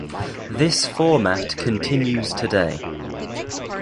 This format continues today.